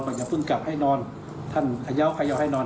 อย่าเพิ่งกลับให้นอนท่านเขย่าขย่าให้นอน